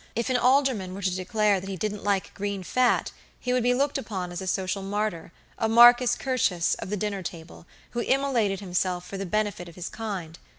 If an alderman were to declare that he didn't like green fat, he would be looked upon as a social martyr, a Marcus Curtius of the dinner table, who immolated himself for the benefit of his kind.